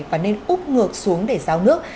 và nên úp ngược xuống để giao nước